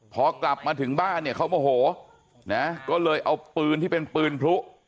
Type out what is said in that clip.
พอกลับมาถึงบ้านเนี่ยเขาโมโหนะก็เลยเอาปืนที่เป็นปืนพลุ